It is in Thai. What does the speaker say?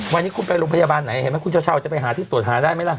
วันนี้คุณไปโรงพยาบาลไหนเห็นไหมคุณเช้าจะไปหาที่ตรวจหาได้ไหมล่ะ